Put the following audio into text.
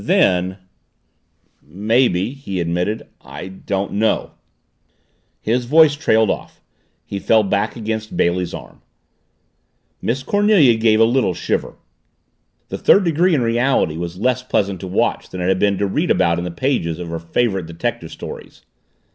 Then "Maybe," he admitted. "I don't know." His voice trailed off. He fell back against Bailey's arm. Miss Cornelia gave a little shiver. The third degree in reality was less pleasant to watch than it had been to read about in the pages of her favorite detective stories.